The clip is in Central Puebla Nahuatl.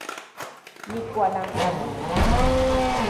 Nikualankamiki